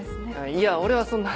いや俺はそんな。